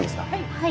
はい。